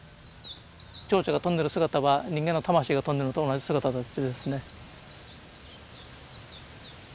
蝶々が飛んでる姿は人間の魂が飛んでるのと同じ姿だというですね。